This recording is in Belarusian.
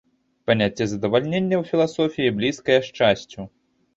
Паняцце задавальнення ў філасофіі блізкае шчасцю.